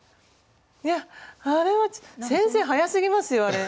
やあれは先生速すぎますよあれ。